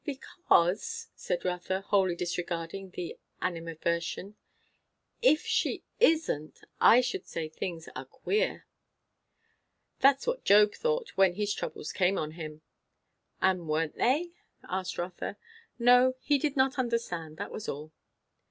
"Because," said Rotha, wholly disregarding the animadversion, "if she isn't, I should say that things are queer." "That's what Job thought, when his troubles came on him." "And weren't they?" asked Rotha. "No. He did not understand; that was all."